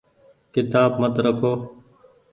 ڪيتآب مت رکو۔